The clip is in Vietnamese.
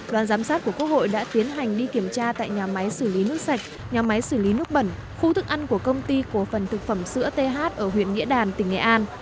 đoàn giám sát của quốc hội đã tiến hành đi kiểm tra tại nhà máy xử lý nước sạch nhà máy xử lý nước bẩn khu thức ăn của công ty cổ phần thực phẩm sữa th ở huyện nghĩa đàn tỉnh nghệ an